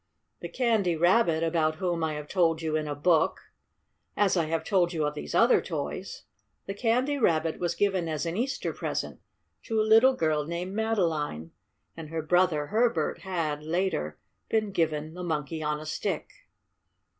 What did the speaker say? The Candy Rabbit about whom I have told you in a book, as I have told you of these other toys the Candy Rabbit was given as an Easter present to a little girl named Madeline, and her brother Herbert had, later, been given the Monkey on a Stick.